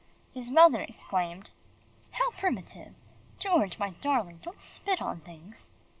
His mother exclaimed, "How primitive George, my darling, don't spit on things."